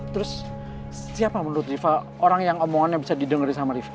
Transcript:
terus siapa menurut riva orang yang omongannya bisa didengerin sama rifki